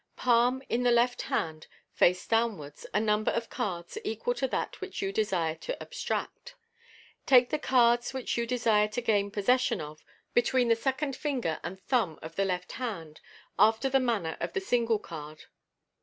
Palm in the left hand, face downwards, a num. ber of cards equal to that which you desire to abstract. Take the cards which you desire to gain posses sion of between the second finger and thumb of the left hand (after the manner of the single card in Fig.